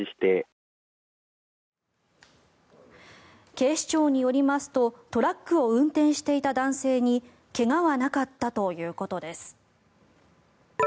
警視庁によりますとトラックを運転していた男性に怪我はなかったということです。